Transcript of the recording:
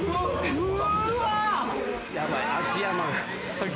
うわ！